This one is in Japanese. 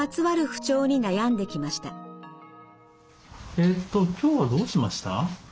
えっと今日はどうしました？